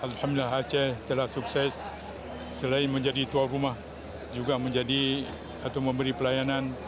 alhamdulillah aceh telah sukses selain menjadi tuan rumah juga menjadi atau memberi pelayanan